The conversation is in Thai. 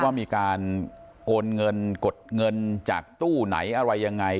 ว่ามีการโอนเงินกดเงินจากตู้ไหนอะไรยังไง